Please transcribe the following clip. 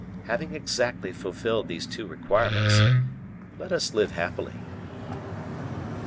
Having exactly fulfilled these two requirements, let us live happily."